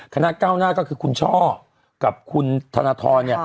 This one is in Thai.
คณะเก้าหน้าก็คือคุณช่อกับคุณธนทร